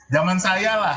zaman saya lah